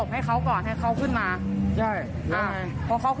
พี่เข้าไปไม่ได้หรอครับ